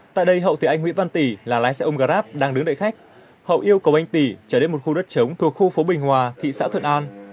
tại đây hậu thì anh nguyễn văn tỷ là lái xe ông grab đang đứng đợi khách hậu yêu cầu anh tỷ trở lên một khu đất chống thuộc khu phố bình hòa thị xã thuận an